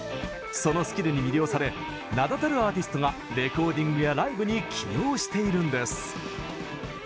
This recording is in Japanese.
そのスキルに魅了され名だたるアーティストがレコーディングやライブに起用しているんです！